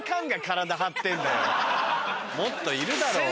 もっといるだろう。